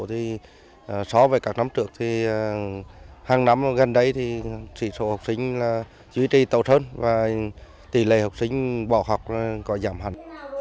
thì so với các năm trước thì hàng năm gần đây thì sĩ số học sinh là duy trì tốt hơn và tỷ lệ học sinh bỏ học có giảm hẳn